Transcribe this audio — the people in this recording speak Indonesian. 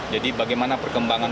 jadi bagaimana perkembangan